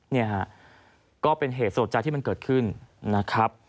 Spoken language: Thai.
เนี่ยฮะก็เป็นเหตุสลดใจที่มันเกิดขึ้นนะครับ